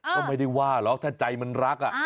ก็ไม่ได้ว่าหรอกถ้าใจมันรัก